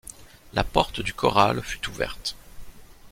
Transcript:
La porte du corral fut ouverte.